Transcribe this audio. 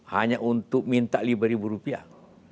hanya untuk minta lima ribu rupiah